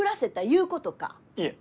いえ！